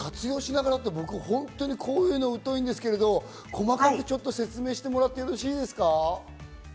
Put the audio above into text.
僕、本当にこういうの疎いんですけど、細かく説明してもらってよろしいですか。